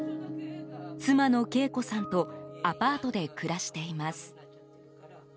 妻の景子さんとアパートで暮らしています。